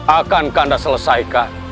akankah anda selesaikan